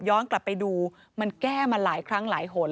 กลับไปดูมันแก้มาหลายครั้งหลายหน